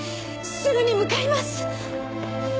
すぐに向かいます！